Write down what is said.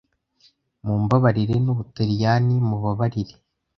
Mumbabarire, n'Ubutaliyani mubabarire,